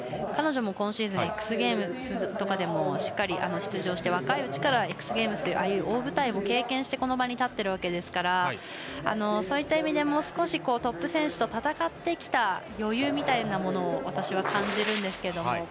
彼女も今シーズンＸＧＡＭＥＳとかでもしっかり出場して若いうちからＸＧＡＭＥＳというああいう大舞台を経験してこの場に立っているわけですからそういった意味でもトップ選手と戦ってきた余裕みたいなものを私は感じるんですけれども。